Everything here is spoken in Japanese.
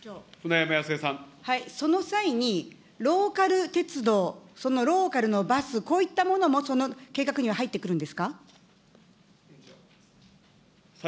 その際に、ローカル鉄道、そのローカルのバス、こういったものも、その計画には入ってくるんですか。